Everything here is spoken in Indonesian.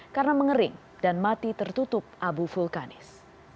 karena mengering dan mati tertutup abu vulkanis